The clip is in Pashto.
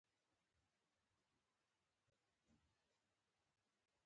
دا په تاریخ کې یو په زړه پورې ګام و.